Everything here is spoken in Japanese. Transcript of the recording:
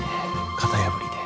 型破りで。